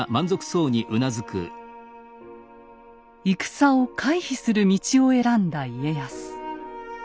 戦を回避する道を選んだ家康。